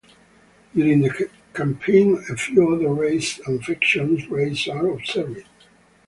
During the Campaign a few other races and factions races are observed.